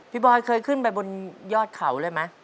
บอยเคยขึ้นไปบนยอดเขาเลยไหม